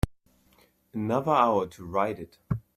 Another hour to write it.